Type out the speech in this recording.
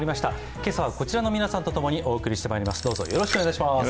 今朝はこちらの皆さんとともにお送りしてまいります。